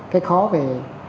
cái khó về